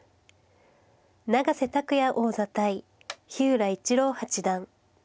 永瀬拓矢王座対日浦市郎八段。